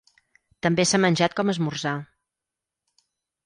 També s'ha menjat com esmorzar.